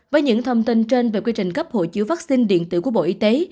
với những thông tin trên về quy trình cấp hộ chiếu vaccine điện tử của bộ y tế